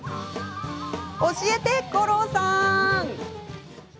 教えて、吾郎さん。